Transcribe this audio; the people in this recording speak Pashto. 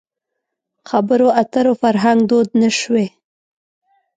خبرو اترو فرهنګ دود نه شوی.